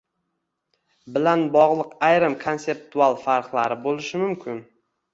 bilan bog‘liq ayrim konseptual farqlari bo‘lishi mumkin.